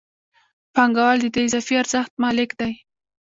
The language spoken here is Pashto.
پانګوال د دې اضافي ارزښت مالک دی